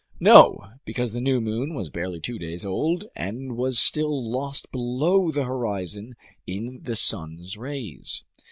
No, because the new moon was barely two days old and was still lost below the horizon in the sun's rays.